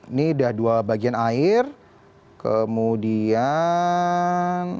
ini udah dua bagian air kemudian